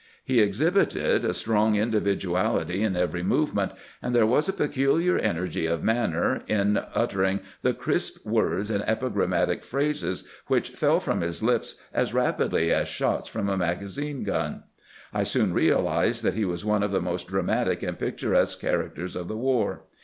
He exhibited a strong individuality in every movement, and there was a peculiar energy of manner in uttering the crisp words and epigrammatic phrases which fell from his lips as rapidly as shots from a magazine gun. I soon realized that he was one of the most dramatic and picturesque characters of the war.